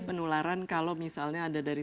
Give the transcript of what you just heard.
penularan kalau misalnya ada dari